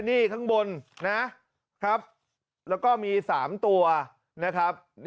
นี่ข้างบนนะครับแล้วก็มี๓ตัวนะครับ